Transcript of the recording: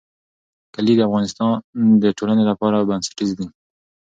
کلي د افغانستان د ټولنې لپاره بنسټیز دي.